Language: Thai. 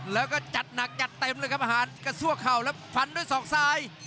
แล้วก็จัดหนักจัดเต็มเลยครับอาหารกระซวกเข่าแล้วฟันด้วยศอกซ้าย